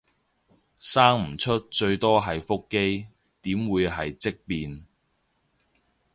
生唔出最多係腹肌，點會係積便